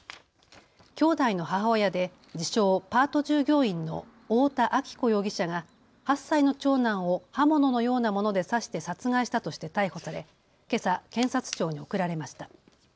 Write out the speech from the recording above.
きょうだいの母親で自称、パート従業員の太田亜紀子容疑者が８歳の長男を刃物のようなもので刺して殺害したとして逮捕されけさ検察庁に送られました。